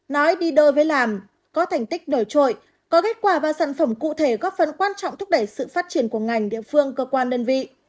nói đi đôi với làm có thành tích nổi trội có kết quả và sản phẩm cụ thể góp phần quan trọng thúc đẩy sự phát triển của ngành địa phương cơ quan đơn vị